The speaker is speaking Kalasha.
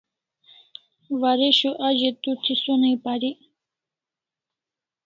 Waresho a ze to thi sonai parik